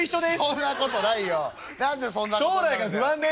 「そんなことない」。